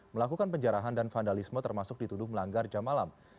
melakukan penjarahan dan vandalisme termasuk dituduh melanggar jam malam